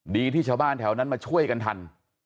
ที่ชาวบ้านแถวนั้นมาช่วยกันทัน